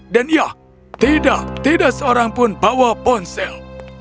dan ya tidak tidak seorang pun bawa ponsel